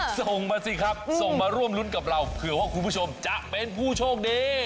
ส่งมาสิครับส่งมาร่วมรุ้นกับเราเผื่อว่าคุณผู้ชมจะเป็นผู้โชคดี